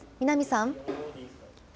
南さん。